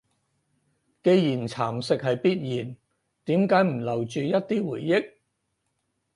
既然蠶蝕係必然，點解唔留住一啲回憶？